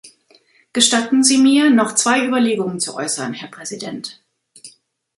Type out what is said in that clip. Gestatten Sie mir, noch zwei Überlegungen zu äußern, Herr Präsident.